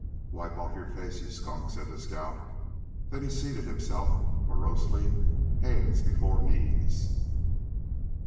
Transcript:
"Wipe off yore face, you skunk!" said the scout. Then he seated himself, morosely, hands before knees.